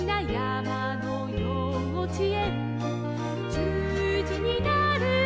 「じゅうじになると」